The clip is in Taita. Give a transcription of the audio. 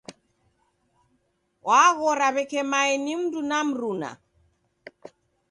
Waghora w'eke mae ni mndu na mruna.